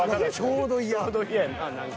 ちょうど嫌やな何か。